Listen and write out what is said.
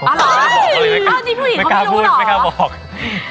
อ๋อหรออันนี้ผู้หญิงเขาไม่รู้เหรอไม่กล้าบอก